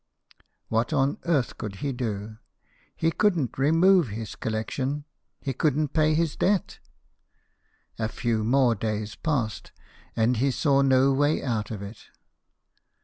What on earth could he do ? He couldn't remove his Collection ; he couldn't pay his debt. A few more days passed, and he saw no way out of it.